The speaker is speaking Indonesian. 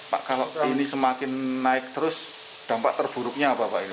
pak kalau ini semakin naik terus dampak terburuknya apa pak ini